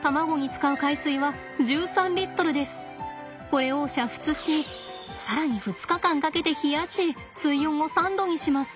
これを煮沸し更に２日間かけて冷やし水温を３度にします。